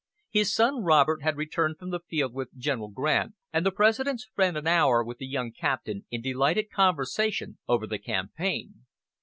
His son Robert had returned from the field with General Grant, and the President spent an hour with the young captain in delighted conversation over the campaign.